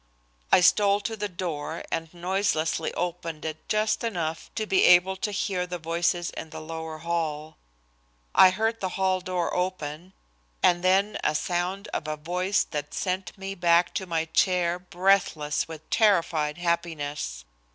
I stole to the door and noiselessly opened it just enough to be able to hear the voices in the lower hall. I heard the hall door open and then a sound of a voice that sent me back to my chair breathless with terrified happiness.